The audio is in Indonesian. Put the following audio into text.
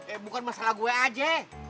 eh bukan masalah gue aja